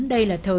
đây là thời gian